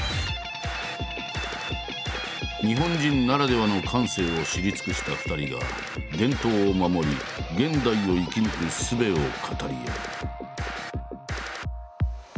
日本人ならではの感性を知り尽くした２人が伝統を守り現代を生き抜く術を語り合う。